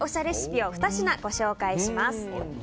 レシピを２品、ご紹介します。